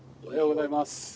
おはようございます。